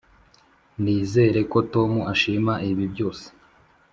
nizere ko tom ashima ibi byose.